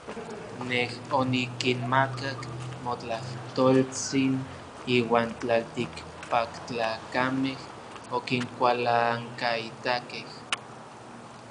Nej onikinmakak motlajtoltsin, iuan tlaltikpaktlakamej okinkualankaitakej.